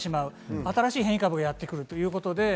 新しい変異株はやってくるということで。